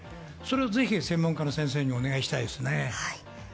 ぜひ専門家の先生にお願いしたいですね。